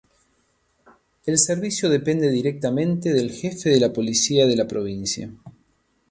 El servicio depende directamente del Jefe de la Policía de la Provincia.